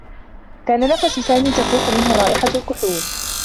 كان نفس سامي تفوح منه رائحة الكحول.